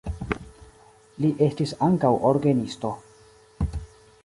Li estis ankaŭ orgenisto.